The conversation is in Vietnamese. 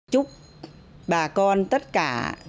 chúc bà con tất cả